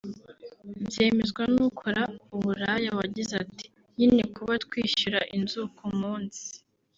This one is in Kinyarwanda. Byemezwa n’ukora uburaya wagize ati “Nyine kuba twishyura inzu ku munsi